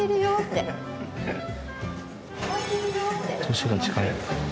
年が近い。